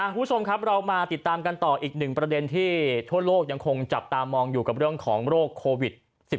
คุณผู้ชมครับเรามาติดตามกันต่ออีกหนึ่งประเด็นที่ทั่วโลกยังคงจับตามองอยู่กับเรื่องของโรคโควิด๑๙